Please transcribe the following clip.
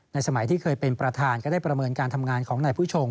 สมัยที่เคยเป็นประธานก็ได้ประเมินการทำงานของนายผู้ชง